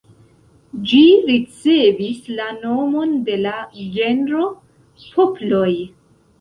Ĝi ricevis la nomon de la genro Poploj.